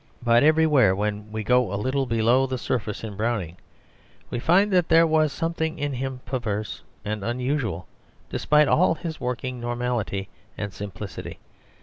But everywhere when we go a little below the surface in Browning we find that there was something in him perverse and unusual despite all his working normality and simplicity.